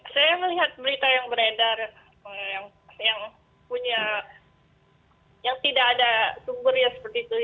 saya melihat berita yang beredar yang punya yang tidak ada sumbernya seperti itu